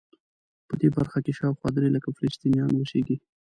په دغه برخه کې شاوخوا درې لکه فلسطینیان اوسېږي.